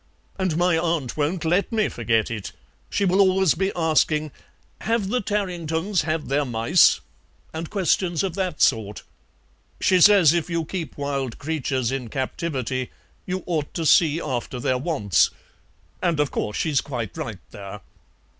And my aunt won't LET me forget it; she will always be asking 'Have the Tarringtons had their mice?' and questions of that sort. She says if you keep wild creatures in captivity you ought to see after their wants, and of course she's quite right there."